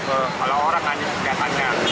kepala orang kan dia tanya